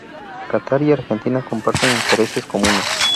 Catar y Argentina comparten intereses comunes.